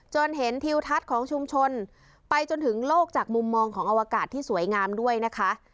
เห็นทิวทัศน์ของชุมชนไปจนถึงโลกจากมุมมองของอวกาศที่สวยงามด้วยนะคะ